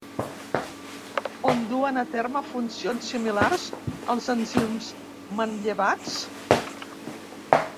On duen a terme funcions similars els enzims manllevats?